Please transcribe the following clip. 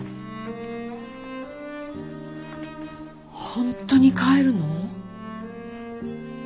本当に帰るの？